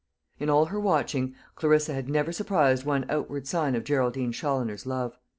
In all her watching Clarissa had never surprised one outward sign of Geraldine Challoner's love.